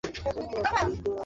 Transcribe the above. এই নিন, এসে গেছে।